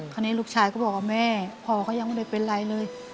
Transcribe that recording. คราวนี้ลูกชายก็บอกว่าแม่พ่อเขายังไม่ได้เป็นไรเลย